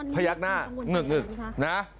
พยักหน้างึ่งนะฮะ